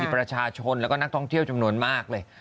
ประชาชนแล้วก็นักท่องเที่ยวจำนวนมากเลย